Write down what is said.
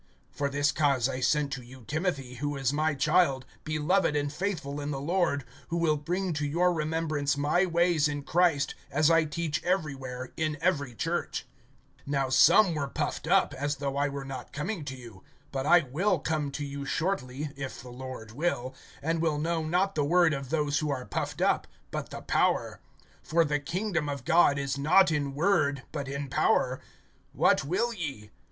(17)For this cause I sent to you Timothy, who is my child, beloved and faithful in the Lord, who will bring to your remembrance my ways in Christ, as I teach everywhere in every church. (18)Now some were puffed up, as though I were not coming to you. (19)But I will come to you shortly, if the Lord will, and will know, not the word of those who are puffed up, but the power. (20)For the kingdom of God is not in word, but in power. (21)What will ye?